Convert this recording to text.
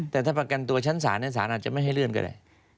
แต่ถ้าประกันตัวชั้นศาลศาลอาจจะไม่ให้เลื่อนก็ได้